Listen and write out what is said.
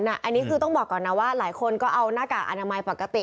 อันนี้คือต้องบอกก่อนนะว่าหลายคนก็เอาหน้ากากอนามัยปกติ